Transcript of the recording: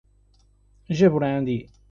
Jaborandi